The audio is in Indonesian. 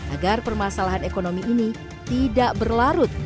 agar permasalahan ekonomi ini tidak berlarut